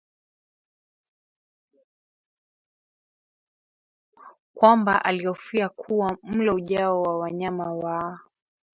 kwamba alihofia kuwa mlo ujao wa wanyama wa